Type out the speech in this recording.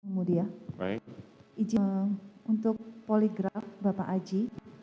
kemudian izin untuk poligraf bapak aji